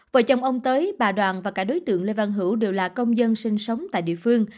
vợ chồng ông tới bà đoàn và cả đối tượng lê văn hữu đều là công dân sinh sống tại địa phương